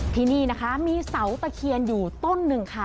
ที่นี่นะคะมีเสาตะเคียนอยู่ต้นหนึ่งค่ะ